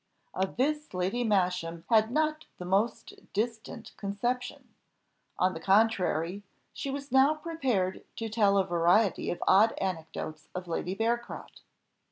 Of this Lady Masham had not the most distant conception; on the contrary, she was now prepared to tell a variety of odd anecdotes of Lady Bearcroft.